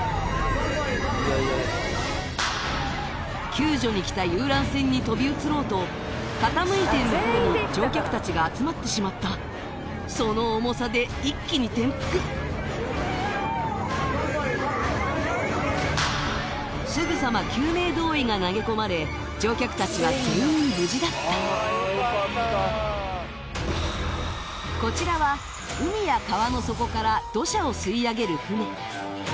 救助に来た遊覧船に飛び移ろうと傾いている方に乗客たちが集まってしまったその重さで一気に転覆すぐさま救命胴衣が投げ込まれ乗客たちは全員無事だったこちらは海や川の底から土砂を吸い上げる船